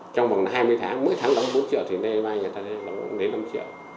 trong vòng hai mươi tháng mỗi tháng đóng bốn triệu thì ngày mai người ta lấy năm triệu